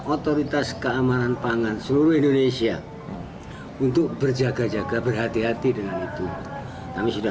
otoritas keamanan pangan seluruh indonesia untuk berjaga jaga berhati hati dengan itu kami sudah